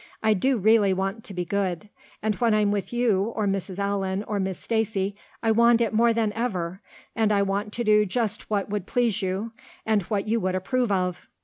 I do really want to be good; and when I'm with you or Mrs. Allan or Miss Stacy I want it more than ever and I want to do just what would please you and what you would approve of.